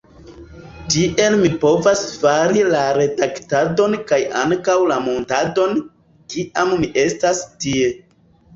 Tiel mi povas fari la redaktadon kaj ankaŭ la muntadon, kiam mi estas tie.